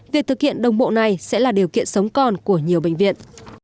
việc thực hiện đồng bộ này sẽ là điều kiện sống còn của nhiều bệnh viện